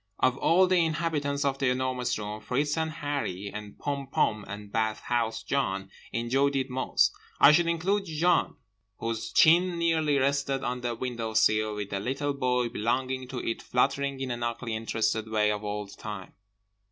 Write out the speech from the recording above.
Of all the inhabitants of The Enormous Room, Fritz and Harree and Pom Pom and Bathhouse John enjoyed it most. I should include Jan, whose chin nearly rested on the window sill with the little body belonging to it fluttering in an ugly interested way all the time.